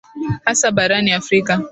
hasa barani afrika